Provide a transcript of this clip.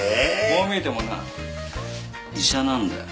こう見えてもな医者なんだよ。